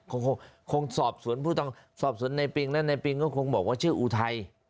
ก็คงสอบสวนผู้ต้องสอบสวนในปิงและนายปิงก็คงบอกว่าชื่ออุทัย